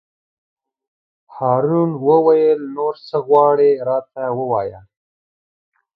هارون وویل: نور څه غواړې راته ووایه.